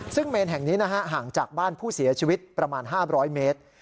ซึ่งเมนแห่งนี้นะฮะห่างจากบ้านผู้เสียชีวิตประมาณ๕๐๐เมตร